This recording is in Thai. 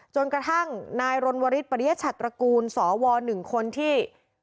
จนกระทั่งนายรณวริสปริยชัตรกูลสว๑คนที่